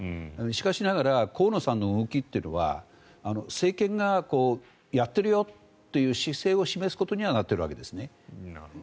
しかしながら河野さんの動きというのは政権がやっているよって姿勢を示すことにはなっているわけですね。